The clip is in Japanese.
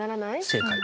正解。